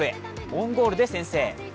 オウンゴールで先制。